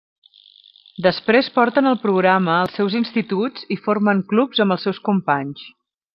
Després porten el programa als seus instituts i formen clubs amb els seus companys.